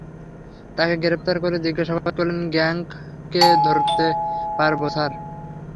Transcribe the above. তাকে গ্রেফতার করে জিজ্ঞাসাবাদ করলে গ্যাংকে ধরতে পারব, স্যার?